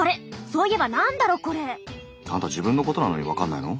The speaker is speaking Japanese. そういえば何だろこれ？アンタ自分のことなのに分かんないの？